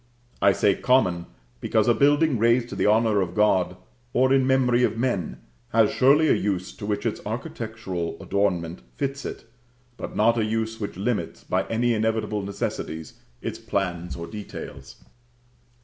I say common; because a building raised to the honor of God, or in memory of men, has surely a use to which its architectural adornment fits it; but not a use which limits, by any inevitable necessities, its plan or details.